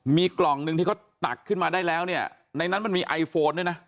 มีกล่องหนึ่งที่เขาตักขึ้นมาได้แล้วเนี่ยในนั้นมันมีไอโฟนด้วยนะ